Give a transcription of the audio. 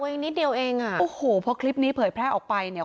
นิดเดียวเองอ่ะโอ้โหพอคลิปนี้เผยแพร่ออกไปเนี่ย